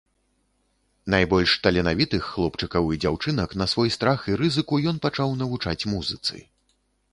Найбольш таленавітых хлопчыкаў і дзяўчынак на свой страх і рызыку ён пачаў навучаць музыцы.